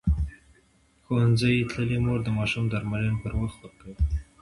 ښوونځې تللې مور د ماشوم درمل پر وخت ورکوي.